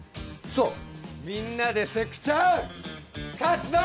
そうみんなでセクチャン勝つぞ！